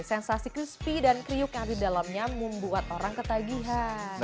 sensasi crispy dan kriuk yang di dalamnya membuat orang ketagihan